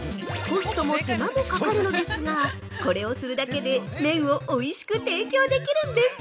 コストも手間もかかるのですがこれをするだけで麺をおいしく提供できるんです。